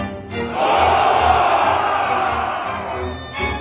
お！